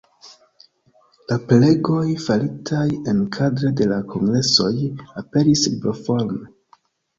La prelegoj, faritaj enkadre de la kongresoj, aperis libroforme.